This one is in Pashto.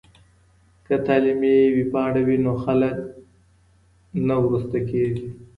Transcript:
که تعلیمي ویبپاڼه وي نو خلګ نه وروسته کیږي.